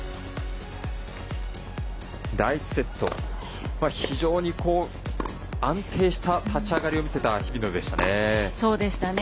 第１セット非常に安定した立ち上がりを見せた日比野でしたね。